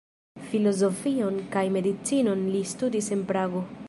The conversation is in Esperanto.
Filozofion kaj medicinon li studis en Prago.